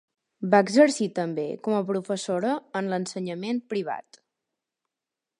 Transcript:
Va exercir també com a professora en l'ensenyament privat.